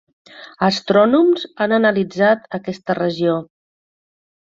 Astrònoms han analitzat aquesta regió.